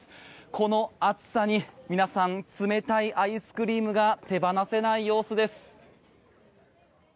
この暑さに皆さん冷たいアイスクリームが手放せない様子です。